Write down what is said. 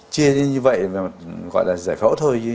chia như vậy gọi là giải phẫu thôi chứ